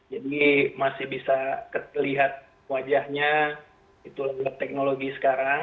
jadi masih bisa lihat wajahnya itu teknologi sekarang